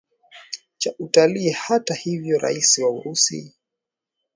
cha utalii hata hivyo rais wa urusi dmitry mendeveev amesema kuwa